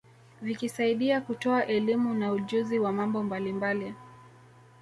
Vikisaidia kutoa elimu na ujuzi wa mambo mbalimbali